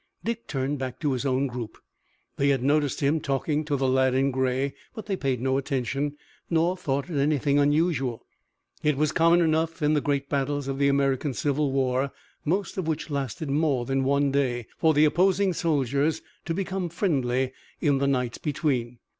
Dick turned back to his own group. They had noticed him talking to the lad in gray, but they paid no attention, nor thought it anything unusual. It was common enough in the great battles of the American civil war, most of which lasted more than one day, for the opposing soldiers to become friendly in the nights between.